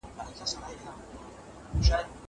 زه پرون انځورونه رسم کړل!!